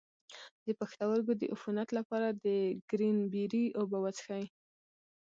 د پښتورګو د عفونت لپاره د کرینبیري اوبه وڅښئ